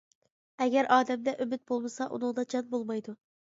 ئەگەر ئادەمدە ئۈمىد بولمىسا، ئۇنىڭدا جان بولمايدۇ.